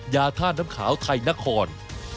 ยาธาตุน้ำขาวไทยนคร